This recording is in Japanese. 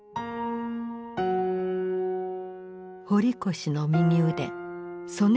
堀越の右腕曾根